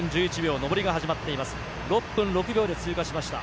上りが始まっています。